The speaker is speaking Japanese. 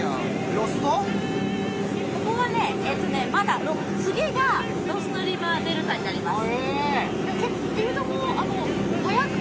ここはまだ、次がロストリバーになります。